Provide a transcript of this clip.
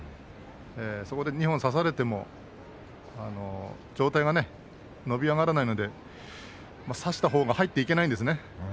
そこで二本差されても上体が伸び上がらないので差したほうが入っていけないんですね。